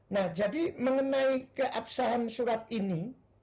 nah jadi mengenai keabsahan surat ini